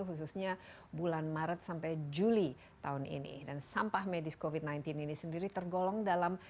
khususnya bulan maret sampai juli tahun ini dan sampah medis covid sembilan belas ini sendiri tergolong dalam